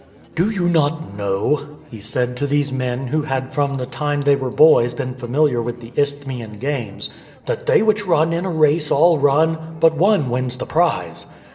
" Do you not know," he said to these men who had from the time they were boys been familiar with the Isthmian games, *' that they which run in a race all run, but one wins the prize